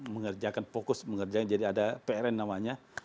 mengerjakan fokus mengerjain jadi ada prn namanya